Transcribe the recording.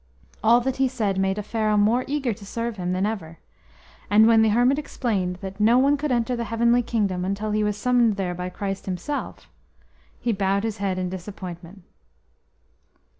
All that he said made Offero more eager to serve Him than ever, and when the hermit explained that no one could enter the Heavenly Kingdom until he was summoned there by Christ Himself, he bowed his head in disappointment.